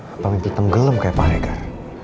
apa mimpi tenggelam kayak pahala ya gar